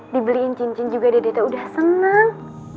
dibeliin cincin juga dedeta udah senang